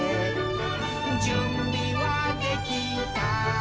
「じゅんびはできた？